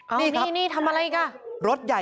อ้าวนี่นี่ทำอะไรอีกอ่ะ